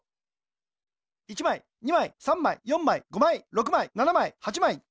１まい２まい３まい４まい５まい６まい７まい８まい。